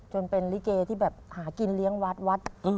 จนเป็นลิเกที่แบบหากินเลี้ยงวัดวัด